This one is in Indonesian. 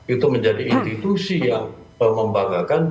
itu menjadi institusi yang membanggakan